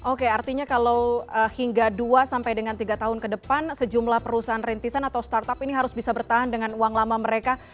oke artinya kalau hingga dua sampai dengan tiga tahun ke depan sejumlah perusahaan rintisan atau startup ini harus bisa bertahan dengan uang lama mereka